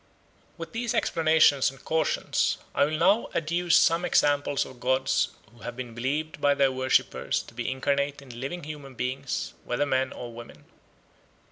With these explanations and cautions I will now adduce some examples of gods who have been believed by their worshippers to be incarnate in living human beings, whether men or women.